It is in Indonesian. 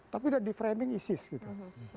tapi udah di framing isis gitu